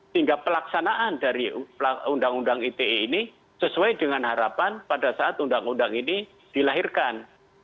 sehingga pelaksanaan dari undang undang ite ini sesuai dengan harapan pada saat undang undang ini dilahirkan